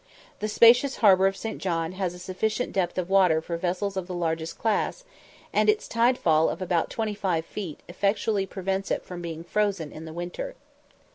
The spacious harbour of St. John has a sufficient depth of water for vessels of the largest class, and its tide fall of about 25 feet effectually prevents it from being frozen in the winter.